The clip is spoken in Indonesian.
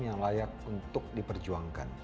yang layak untuk diperjuangkan